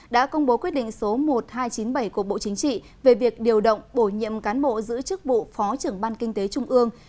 đã công bố quyết định số một nghìn hai trăm chín mươi bảy của bộ chính trị về việc điều động bổ nhiệm cán bộ giữ chức vụ phó trưởng ban kinh tế trung ương